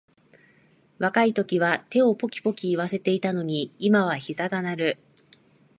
若いときは手をポキポキいわせていたのに、今はひざが鳴る